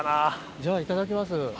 じゃあいただきます。